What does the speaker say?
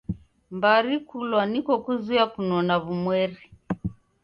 Mbari kulwa niko kuzoya kunona w'umweri.